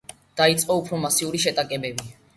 დაიწყო უფრო მასიური შეტაკებები.